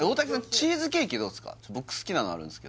チーズケーキどうですか？